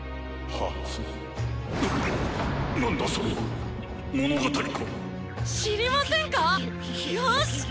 なっ何だそれは⁉物語か⁉知りませんか⁉よし！